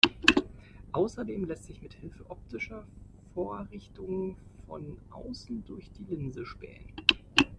Außerdem lässt sich mit Hilfe optischer Vorrichtungen von außen durch die Linse spähen.